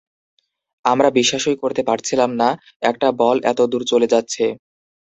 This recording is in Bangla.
আমরা বিশ্বাসই করতে পারছিলাম না, একটা বল এত দূরে চলে যাচ্ছে।